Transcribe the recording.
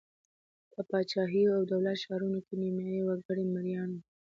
په پاچاهیو او دولت ښارونو کې نیمايي وګړي مریان وو.